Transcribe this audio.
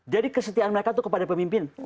jadi kesetiaan mereka itu kepada pemimpin